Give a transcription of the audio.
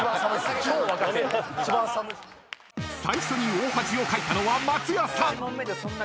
［最初に大恥をかいたのは松也さん］